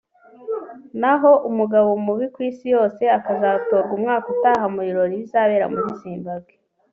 naho umugabo mubi ku isi yose (Mr Ugly World) akazatorwa umwaka utaha mu birori bizabera muri Zimbabwe